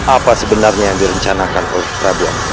apa sebenarnya yang direncanakan ostradiak dan uzi